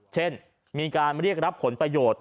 เช่นมีการเรียกรับผลประโยชน์